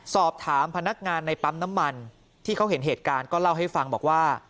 สอบถามพนักงานในปั๊มน้ำมันที่เขาเห็นเหตุการณ์ก็เล่าให้ฟังบอกว่า